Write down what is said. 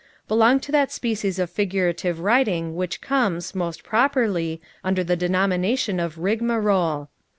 belong to that species of figurative writing which comes, most properly, under the denomination of rigmarole.